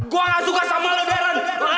gue gak suka sama lo darren